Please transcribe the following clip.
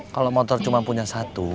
kalau motor cuma punya satu